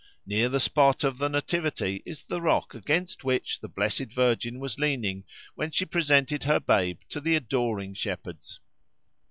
Near the spot of the Nativity is the rock against which the Blessed Virgin was leaning when she presented her babe to the adoring shepherds.